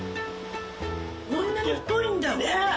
こんなに太いんだね！